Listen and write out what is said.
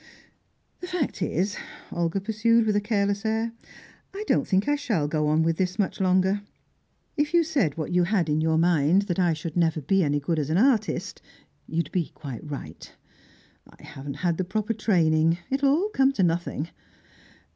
"The fact is," Olga pursued, with a careless air, "I don't think I shall go on with this much longer. If you said what you have in your mind, that I should never be any good as an artist, you would be quite right. I haven't had the proper training; it'll all come to nothing.